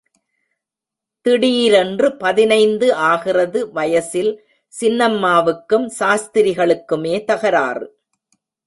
திடீரென்று பதினைந்து ஆகிறது வயசில் சின்னம்மாவுக்கும் சாஸ்திரிகளுக்குமே தகராறு.